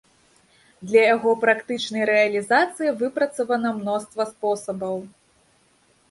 Для яго практычнай рэалізацыі выпрацавана мноства спосабаў.